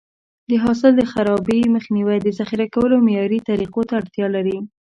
د حاصل د خرابي مخنیوی د ذخیره کولو معیاري طریقو ته اړتیا لري.